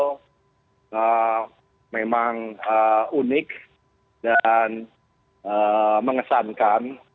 itu memang unik dan mengesankan